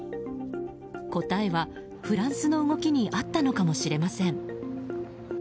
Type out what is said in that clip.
答えはフランスの動きにあったのかもしれません。